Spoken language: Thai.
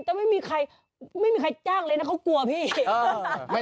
แต่ไม่มีใครจ้างเลยนะเขากลัวพี่